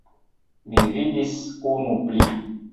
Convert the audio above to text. Mi vidis unu pli.